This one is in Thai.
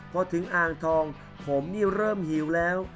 พอถึงอ่างทองผมนี่เริ่มหิวแล้ว